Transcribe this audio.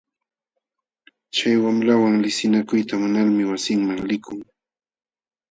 Chay wamlawan liqsinakuyta munalmi wasinman likun.